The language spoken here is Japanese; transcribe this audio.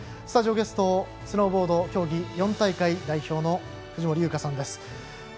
スタジオゲストスノーボード競技４大会代表の藤森由香さんです。